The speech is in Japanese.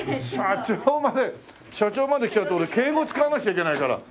社長まで来ちゃうと俺敬語使わなくちゃいけないから。